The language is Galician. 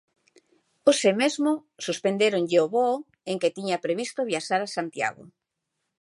Hoxe mesmo suspendéronlle o voo en que tiña previsto viaxar a Santiago.